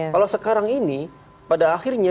kalau sekarang ini pada akhirnya